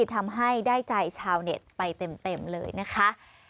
ทำให้ได้ใจชาวเน็ตไปเต็มเลยนะคะ